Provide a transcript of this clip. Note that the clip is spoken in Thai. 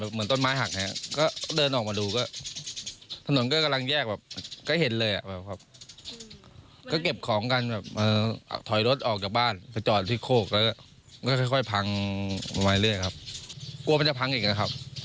สระกว่านั้นจนถึงวันนี้มันลามขึ้นไปอีก